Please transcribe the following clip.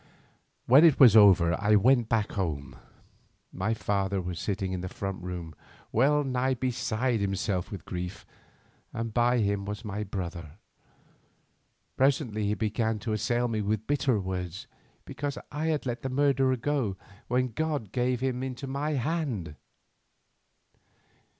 When it was over I went back home. My father was sitting in the front room well nigh beside himself with grief, and by him was my brother. Presently he began to assail me with bitter words because I had let the murderer go when God gave him into my hand.